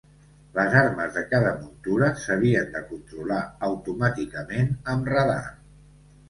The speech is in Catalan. Les armes de cada muntura s'havien de controlar automàticament amb radar.